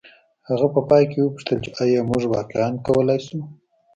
هغه په پای کې وپوښتل چې ایا موږ واقعیا کولی شو